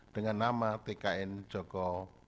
dengan nama tkn joko